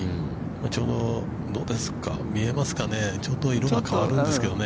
ちょうど見えますかね、ちょうど色が変わるんですけどね。